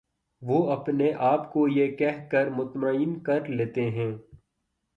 وہ اپنے آپ کو یہ کہہ کر مطمئن کر لیتے ہیں